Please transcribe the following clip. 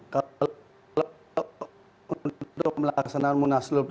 kalau untuk melaksanakan munasulup